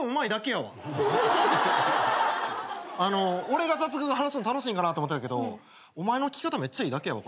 俺が雑学話すの楽しいんかなって思ったんやけどお前の聞き方めっちゃいいだけやわ。